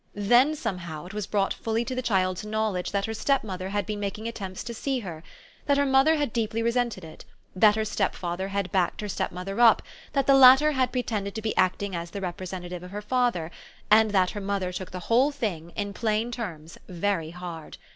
Then somehow it was brought fully to the child's knowledge that her stepmother had been making attempts to see her, that her mother had deeply resented it, that her stepfather had backed her stepmother up, that the latter had pretended to be acting as the representative of her father, and that her mother took the whole thing, in plain terms, very hard.